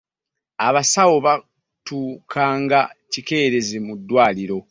abasawo batukaanga kikeerezi mu ddwaliro.